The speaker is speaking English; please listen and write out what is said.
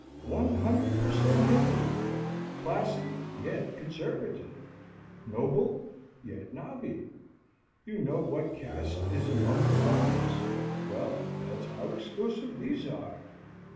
One hundred per cent Hindu. Classy yet conservative; noble yet nobby. You know what caste is among the Brahmins? well, that's how exclusive these are!"